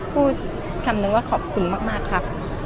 พูดคำนึงว่าขอบคุณมากครับ